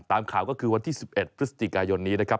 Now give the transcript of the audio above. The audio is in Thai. ตามข่าวก็คือวันที่๑๑พฤศจิกายนนี้นะครับ